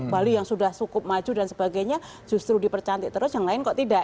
bali yang sudah cukup maju dan sebagainya justru dipercantik terus yang lain kok tidak